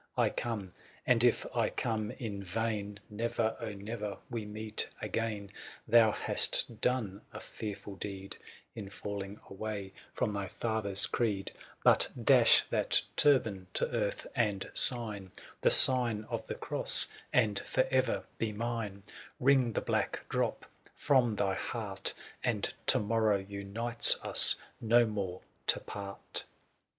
" I come — and if I come in vain, " Never, oh never, we meet again! Ji »»^' Thou hast done a fearful deed 530 " In falling away from thy father's creed :" But dash that turban to earth, and sign " The sign of the cross, and for ever be mine ;'* Wring the black drop from thy heart, "And to morrow unites us no more to part."